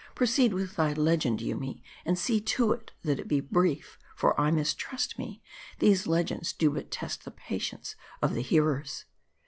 "Proceed with thy legend, Yoomy; and see to it, that it be brief; for I mistrust me, these legends do but test the patience of the hearers.